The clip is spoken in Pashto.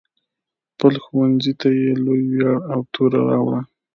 خپل ښوونځي ته یې لوی ویاړ او توره راوړه.